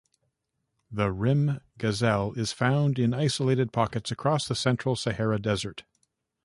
The rhim gazelle is found in isolated pockets across the central Sahara Desert.